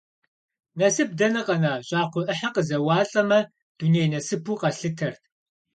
Насып дэнэ къэна, щӏакхъуэ ӏыхьэ къызэуалӏэмэ, дуней насыпу къэслъытэрт.